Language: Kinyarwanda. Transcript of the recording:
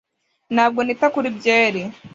ntabwo nita kuri byeri